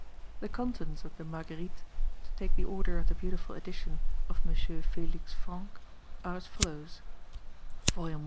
The contents of the Marguerites, to take the order of the beautiful edition of M. Félix Frank, are as follows: Volume I.